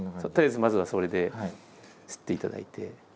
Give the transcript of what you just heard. とりあえずまずはそれですっていただいて。